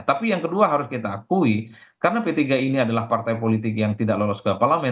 tapi yang kedua harus kita akui karena p tiga ini adalah partai politik yang tidak lolos ke parlemen